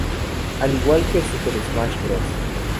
Al igual que "Super Smash Bros.